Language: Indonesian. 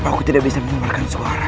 aku tidak bisa mengeluarkan suara